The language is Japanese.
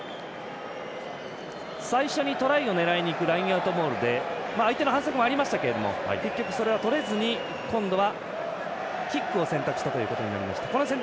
最初にトライを狙いにいくラインアウトボールで相手の反則もありましたが結局それはとれずに今度はキックを選択したということになりました。